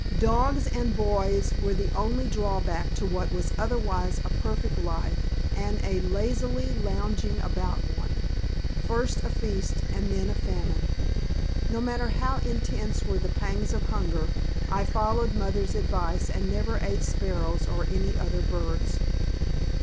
Dogs and boys were the only drawback to what was otherwise a perfect life, and a lazily lounging about one; first a feast and then a famine. No matter how intense were the pangs of hunger, I followed mother's advice and never ate sparrows or any other birds.